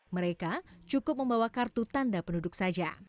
mereka cukup membawa kartu tanda penduduk saja